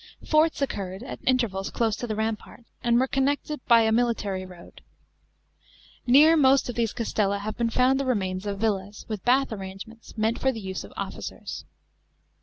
Forts occurred at intervals close to the rampart, and were connected by a 70 96 A.D. THE LIMES GEKMANICUS. 405 military road.* Near most of these castella have been found the remains of villas, with bath arrangements, meaut for ttie use of officers.